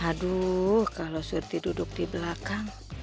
aduh kalau seperti duduk di belakang